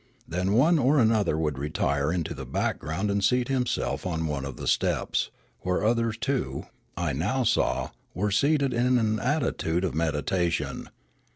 Then one or another would retire into the background and seat himself on one of the steps, where others too, I now saw, were seated in an attitude of meditation.